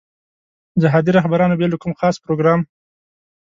جهادي رهبرانو بې له کوم خاص پروګرام.